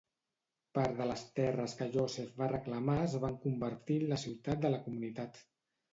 Part de les terres que Joseph va reclamar es van convertir en la ciutat de la comunitat.